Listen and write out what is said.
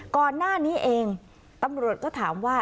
ก่อนหน้านี้เองตำรวจก็ถามว่า